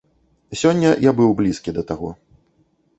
Сёння я быў блізкі да таго.